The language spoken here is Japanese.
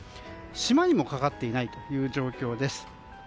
島にもかかっていない状況です。